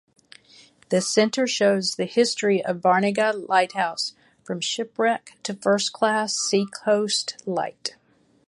The center shows the history of Barnegat Lighthouse from shipwreck to first-class seacoast light.